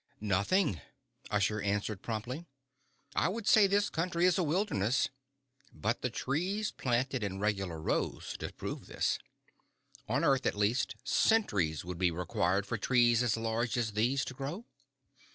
"Nothing," Usher answered promptly. "I would say this country is a wilderness. But the trees planted in regular rows disprove this. On earth, at least, centuries would be required for trees as large as these to grow.